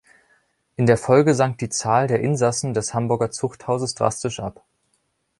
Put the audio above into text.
In der Folge sank die Zahl der Insassen des Hamburger Zuchthauses drastisch ab.